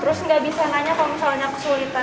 terus nggak bisa nanya kalau misalnya kesulitan